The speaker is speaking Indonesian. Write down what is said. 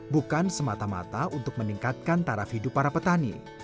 bukan semata mata untuk meningkatkan taraf hidup para petani